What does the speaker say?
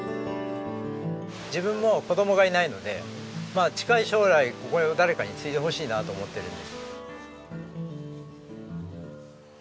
自分も子供がいないのでまあ近い将来これを誰かに継いでほしいなと思ってるんです。